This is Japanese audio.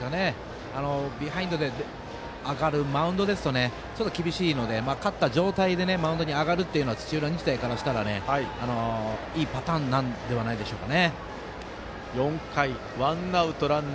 ビハインドで上がるマウンドですとちょっと厳しいので勝った状態でマウンドに上がるのは土浦日大からしたらいいパターンなのではないでしょうか。